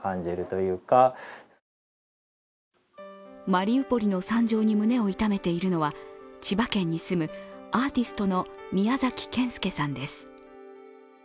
マリウポリの惨状に胸を痛めているのは千葉県に住む、アーティストのミヤザキケンスケさんです。